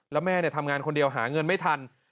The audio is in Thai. แล้วแม่ทำงานคนเดียวหาเงินไม่ทัน